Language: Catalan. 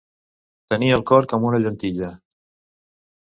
Tenir el cor com una llentilla.